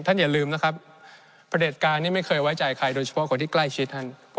อย่าลืมนะครับประเด็จการนี้ไม่เคยไว้ใจใครโดยเฉพาะคนที่ใกล้ชิดท่าน